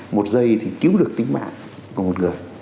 một giây thì cứu được tính mạng của một người